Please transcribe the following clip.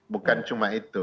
bukan cuma itu